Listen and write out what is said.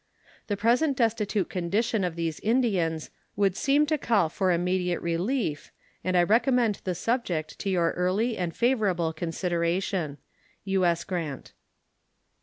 The present destitute condition of these Indians would seem to call for immediate relief, and I recommend the subject to your early and favorable consideration. U.S. GRANT.